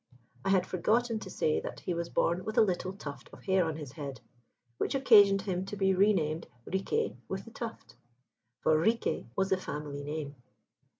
I had forgotten to say that he was born with a little tuft of hair on his head, which occasioned him to be named Riquet with the Tuft; for Riquet was the family name.